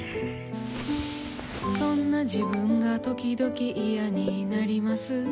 そんな自分がときどき嫌になります。